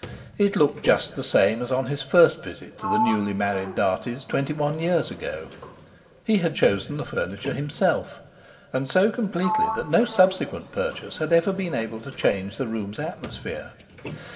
It looked just the same as on his first visit to the newly married Darties twenty one years ago. He had chosen the furniture himself, and so completely that no subsequent purchase had ever been able to change the room's atmosphere.